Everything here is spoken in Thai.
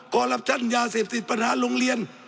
ก่อรับท่านยาเสพสิทธิ์ปัญหาโรงเรียน